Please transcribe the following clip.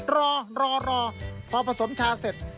รอรอพอผสมชาเสร็จ